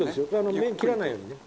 麺切らないようにね。